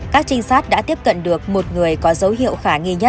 các trinh sát đã tiếp cận được một người có dấu hiệu khả nghi nhất